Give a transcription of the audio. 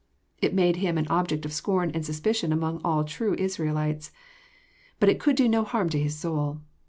It made him an object of scorn and suspicion among all true Israelites. But it could do no harm to his soul.